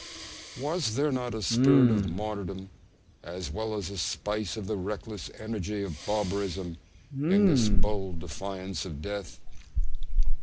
Was there not a spirit of martyrdom as well as a spice of the reckless energy of barbarism in this bold defiance of death?